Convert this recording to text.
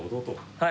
はい。